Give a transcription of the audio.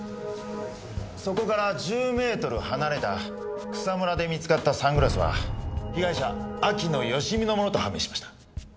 そこから１０メートル離れた草むらで見つかったサングラスは被害者秋野芳美のものと判明しました。